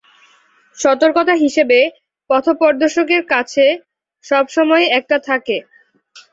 সতর্কতা হিসেবে, পথপ্রদর্শকের কাছে সবসময় একটা থাকে।